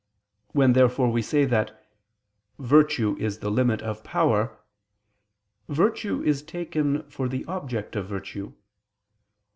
When therefore we say that "virtue is the limit of power," virtue is taken for the object of virtue.